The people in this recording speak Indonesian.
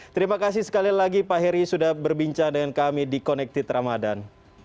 terima kasih sekali lagi pak heri sudah berbincang dengan kami di connected ramadhan